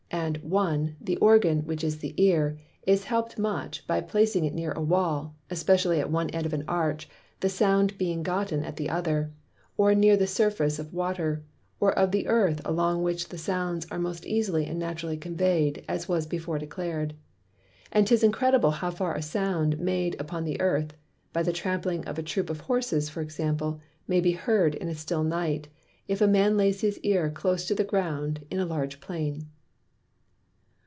And, 1. The Organ, which is the Ear, is helpt much by placing it near a Wall (especially at one end of an Arch, the Sound being begotten at the other) or near the Surface of Water, or of the Earth, along which the Sounds are most easily and naturally convey'd, as was before declar'd. And 'tis incredible how far a Sound made upon the Earth (by the trampling of a Troop of Horses, for Example) may be heard in a still Night, if a Man lays his Ear close to the Ground in a large Plain.